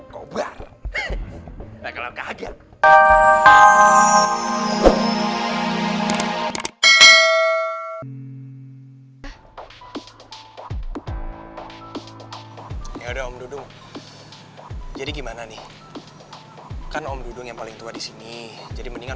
coba coba kaget ya udah jadi gimana nih kan om dudung yang paling tua di sini jadi mendingan